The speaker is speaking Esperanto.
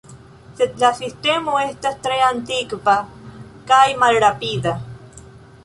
Sed la sistemo estas tre antikva kaj malrapida.